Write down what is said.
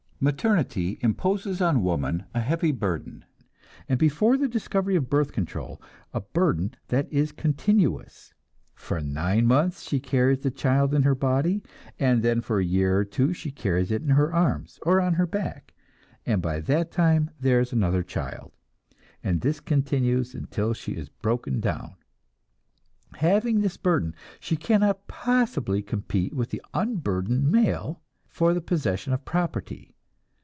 Maternity imposes on woman a heavy burden, and before the discovery of birth control, a burden that is continuous. For nine months she carries the child in her body, and then for a year or two she carries it in her arms, or on her back; and by that time there is another child, and this continues until she is broken down. Having this burden, she cannot possibly compete with the unburdened male for the possession of property.